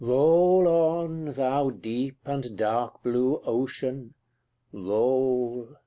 Roll on, thou deep and dark blue Ocean roll!